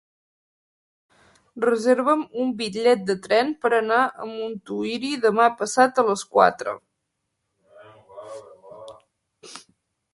Reserva'm un bitllet de tren per anar a Montuïri demà passat a les quatre.